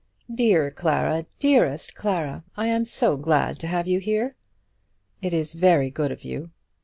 "Dear Clara; dearest Clara, I am so glad to have you here." "It is very good of you."